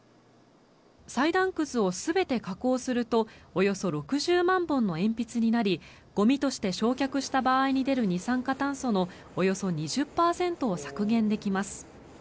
裁断くずを全て加工するとおよそ６０万本の鉛筆になりゴミとして焼却した場合に出る二酸化炭素のおよそ２０％を削減できます。